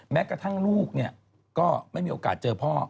แม้กระทั่งลูกก็ไม่มีโอกาสเจอพ่อ